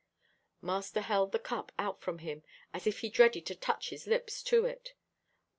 Master held the cup out from him, as if he dreaded to touch his lips to it.